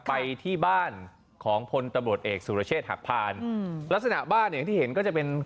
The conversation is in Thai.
ไปที่บ้านของพลตำรวจเอกสุรเชษฐ์หักพานอืมลักษณะบ้านอย่างที่เห็นก็จะเป็น